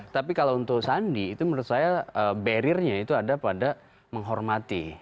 tapi kalau untuk sandi itu menurut saya barriernya itu ada pada menghormati